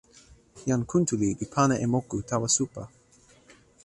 jan Kuntuli li pana e moku tawa supa.